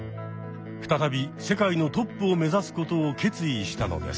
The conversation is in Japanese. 再び世界のトップをめざすことを決意したのです。